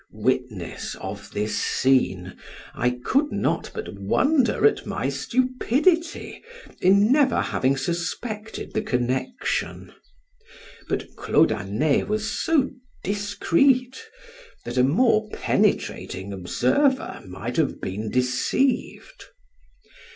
Witness of this scene, I could not but wonder at my stupidity in never having suspected the connection; but Claude Anet was so discreet, that a more penetrating observer might have been deceived.